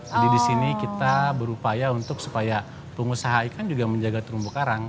jadi di sini kita berupaya untuk supaya pengusaha ikan juga menjaga kerumbu karang